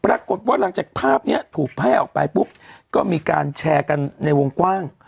ปรากฏว่าหลังจากภาพนี้ถูกแพร่ออกไปปุ๊บก็มีการแชร์กันในวงกว้าง